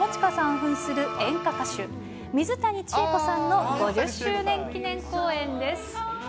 ふんする演歌歌手、水谷千恵子さんの５０周年記念公演です。